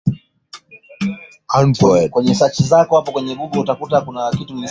He shook Lasseter's hand afterward and said meaningfully, John, you did it.